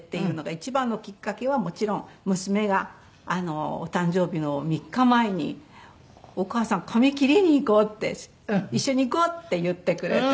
一番のきっかけはもちろん娘がお誕生日の３日前に「お母さん髪切りにいこ」って「一緒に行こ」って言ってくれて。